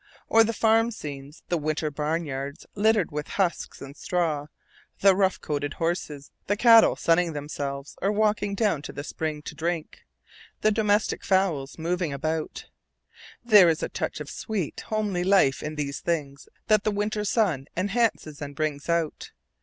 Or the farm scenes, the winter barnyards littered with husks and straw, the rough coated horses, the cattle sunning themselves or walking down to the spring to drink, the domestic fowls moving about, there is a touch of sweet, homely life in these things that the winter sun enhances and brings out.